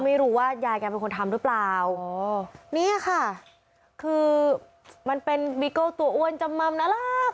ไม่รู้ว่ายายแกเป็นคนทำหรือเปล่าอ๋อเนี่ยค่ะคือมันเป็นบีโก้ตัวอ้วนจำมำน่ารัก